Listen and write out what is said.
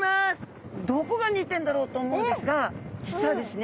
どこが似てんだろうと思うんですが実はですね